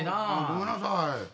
ごめんなさい。